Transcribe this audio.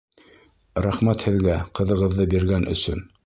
Рәхмәт һеҙгә ҡыҙығыҙҙы биргән өсөн!